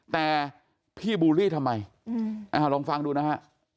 แต่พี่บูลลี่ทำไมลองฟังดูนะฮะ